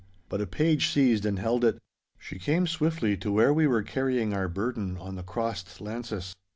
But a page seized and held it. She came swiftly to where we were carrying our burden on the crossed lances.